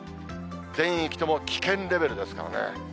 全域とも危険レベルですからね。